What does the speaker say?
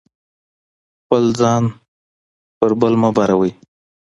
خپل ځان پر بل مه باروئ.